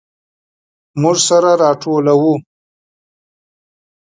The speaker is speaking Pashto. موږ سره راټول وو.